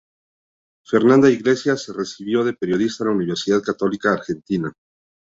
Fernanda Iglesias se recibió de periodista en la Universidad Católica Argentina.